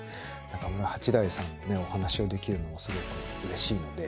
中村八大さんのねお話をできるのはすごくうれしいので。